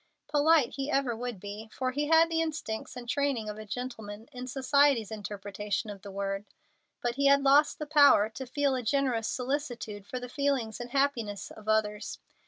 Polite he ever would be, for he had the instincts and training of a gentleman, in society's interpretation of the word, but he had lost the power to feel a generous solicitude for the feelings and happiness of others.